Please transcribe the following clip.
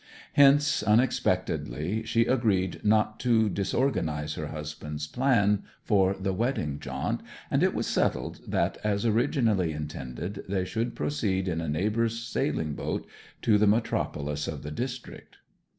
Hence, unexpectedly, she agreed not to disorganize her husband's plans for the wedding jaunt, and it was settled that, as originally intended, they should proceed in a neighbour's sailing boat to the metropolis of the district.